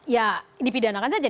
ya dipidanakan saja